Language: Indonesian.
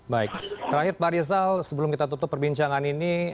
baik terakhir pak rizal sebelum kita tutup perbincangan ini